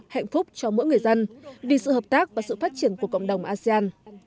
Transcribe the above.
hạnh phúc cho mỗi người dân vì sự hợp tác và sự phát triển của cộng đồng asean